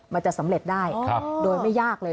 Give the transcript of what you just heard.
มันจะสำเร็จได้โดยไม่ยากเลย